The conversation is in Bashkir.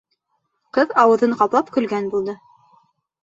Ҡыҙ ауыҙын ҡаплап көлгән булды.